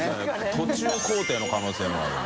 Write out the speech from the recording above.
途中工程の可能性もあるもん。